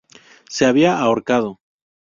Se había ahorcado.